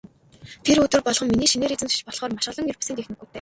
Тэр өдөр болгон миний шинээр эзэмшиж болохоор маш олон ер бусын техникүүдтэй.